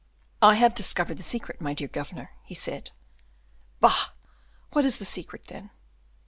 "I have discovered the secret, my dear governor," he said. "Bah! what is the secret, then?"